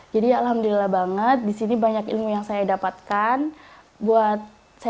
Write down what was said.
jadi ya alhamdulillah banget disini banyak ilmu yang saya dapatkan buat saya terapkan nanti di kemudian hari